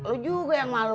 lo juga yang malu